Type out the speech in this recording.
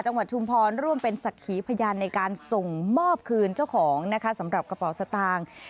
ชุมพรร่วมเป็นศักดิ์ขีพยานในการส่งมอบคืนเจ้าของนะคะสำหรับกระเป๋าสตางค์